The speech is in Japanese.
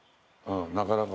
なかなか。